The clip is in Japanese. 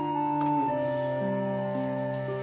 うん。